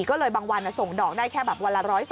ก็เลยบางวันส่งดอกได้แค่วันละ๑๐๐๒๐๐